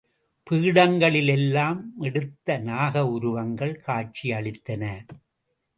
பீடங்களில் எல்லாம் மெடுத்த நாக உருவங்கள் காட்சி அளித்தன.